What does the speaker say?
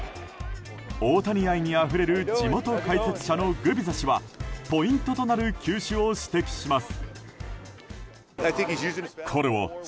大谷愛にあふれる地元解説者のグビザ氏はポイントとなる球種を指摘します。